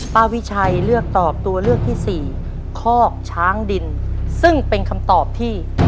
วิชัยเลือกตอบตัวเลือกที่สี่คอกช้างดินซึ่งเป็นคำตอบที่